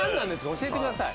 教えてください